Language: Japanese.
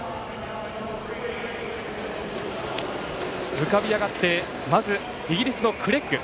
浮かび上がってイギリスのクレッグ。